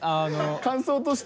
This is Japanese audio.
感想として。